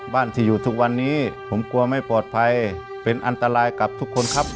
บ้านที่อยู่ทุกวันนี้ผมกลัวไม่ปลอดภัยเป็นอันตรายกับทุกคนครับ